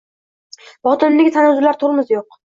Botinimdagi tanazzullar tormozi yo’q